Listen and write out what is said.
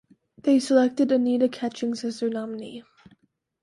They selected Annetta Catchings as their nominee.